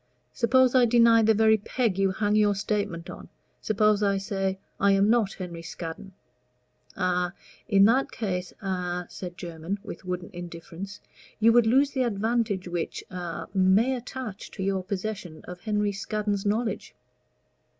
Suppose I deny the very peg you hang your statement on. Suppose I say I am not Henry Scaddon." "A in that case a," said Jermyn, with wooden indifference, "you would lose the advantage which a may attach to your possession of Henry Scaddon's knowledge.